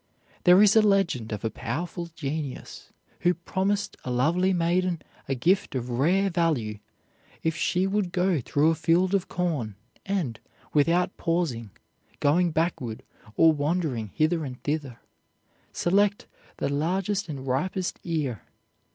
There is a legend of a powerful genius who promised a lovely maiden a gift of rare value if she would go through a field of corn, and, without pausing, going backward, or wandering hither and thither, select the largest and ripest ear.